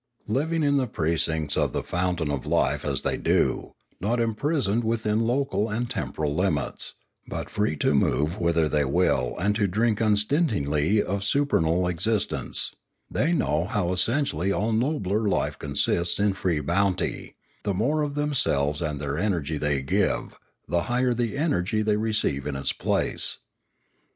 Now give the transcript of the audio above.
Living in the pre cincts of the fountain of life as they do, not imprisoned within local and temporal limits, but free to move whither they will and to drink unstintingly of supernal existence, they know how essentially all nobler life consists in free bounty; the more of themselves and their energy they give, the higher the energy they re ceive in its place.